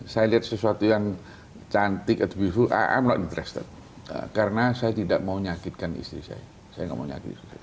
saya lihat sesuatu yang cantik itu bisa amat beres karena saya tidak mau nyakitkan istri saya